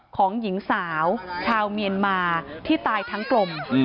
ของหญิงสาวชาวเมียนมาที่ตายทั้งกลม